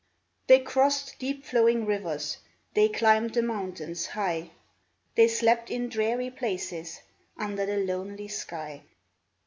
They crossed deep flowing rivers. They climbed the mountains high, They slept in dreary places Under the lonely sky.